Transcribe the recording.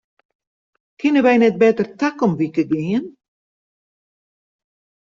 Kinne wy net better takom wike gean?